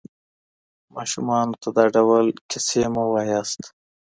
ماشومانو ته دا ډول کیسې مه وایئ.